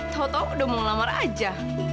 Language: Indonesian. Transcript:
tau tau udah mau ngelamar aja